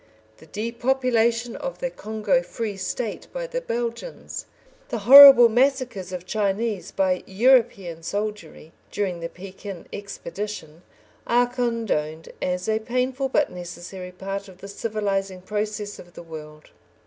The depopulation of the Congo Free State by the Belgians, the horrible massacres of Chinese by European soldiery during the Pekin expedition, are condoned as a painful but necessary part of the civilising process of the world.